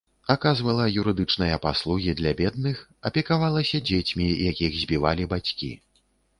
Аказвала юрыдычныя паслугі для бедных, апекавалася дзецьмі, якіх збівалі бацькі.